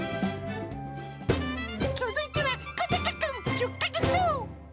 続いては、コダカくん１０か月。